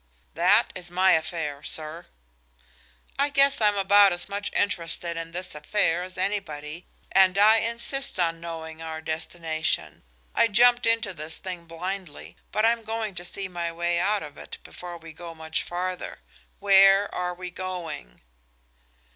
"That is my affair, sir!" "I guess I'm about as much interested in this affair as anybody, and I insist on knowing our destination. I jumped into this thing blindly, but I'm going to see my way out of it before we go much farther. Where are we going?"